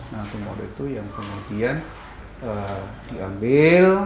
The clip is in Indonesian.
nah tumor itu yang kemudian diambil